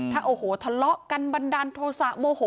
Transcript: ถ้าทะเลาะกันบันดาลโทสะโมโห